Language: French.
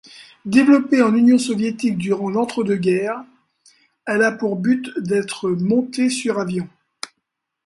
Développée en union soviétique durant l'entre-deux-guerres, elle a pour but d'être montée sur avion.